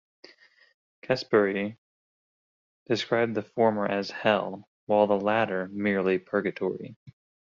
Caspary described the former as hell, while the latter merely purgatory.